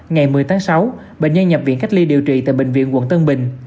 ngày một mươi tháng sáu bệnh nhân nhập viện cách ly điều trị tại bệnh viện quận tân bình